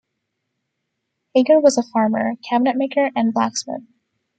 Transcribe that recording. Hager was a farmer, cabinet maker, and blacksmith.